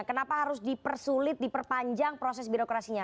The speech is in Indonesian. kenapa harus dipersulit diperpanjang proses birokrasinya